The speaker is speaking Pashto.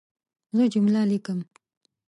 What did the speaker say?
زه جمله لیکم.